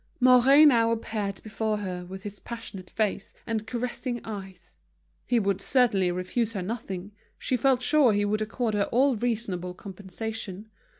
Mouret now appeared before her with his passionate face and caressing eyes. He would certainly refuse her nothing; she felt sure he would accord her all reasonable compensation.